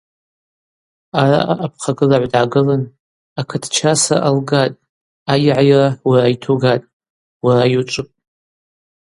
Араъа апхъагылагӏв дгӏагылын: – Акытчасра алгатӏ, айгӏайра уара йтугатӏ, уара йучӏвыпӏ.